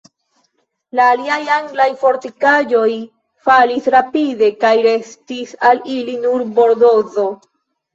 La aliaj anglaj fortikaĵoj falis rapide, kaj restis al ili nur Bordozo.